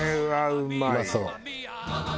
うまそう。